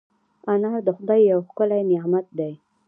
انار د خدای یو ښکلی نعمت دی.